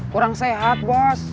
kurang sehat bos